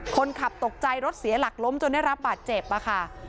ตกใจรถเสียหลักล้มจนได้รับบาดเจ็บค่ะ